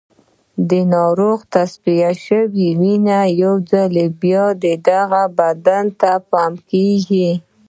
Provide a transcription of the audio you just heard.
د ناروغ تصفیه شوې وینه یو ځل بیا د هغه بدن ته پمپ کېږي.